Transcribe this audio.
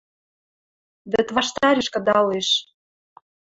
Вӹд ваштареш кыдалеш